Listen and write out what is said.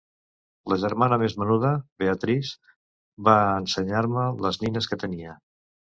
La germana més menuda, Beatrice, va ensenyar-me les nines que tenia.